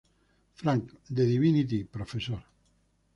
Frank, de "divinity" profesor.